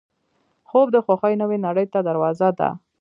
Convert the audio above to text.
خوب د خوښۍ نوې نړۍ ته دروازه ده